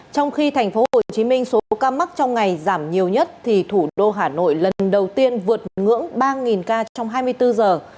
trong khi tp hcm số ca mắc trong ngày giảm nhiều nhất thì thủ đô hà nội lần đầu tiên vượt ngưỡng ba ca trong hai mươi bốn giờ